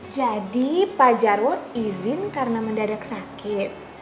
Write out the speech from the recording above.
jadi pajarwo izin karena mendadak sakit